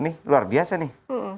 nih luar biasa nih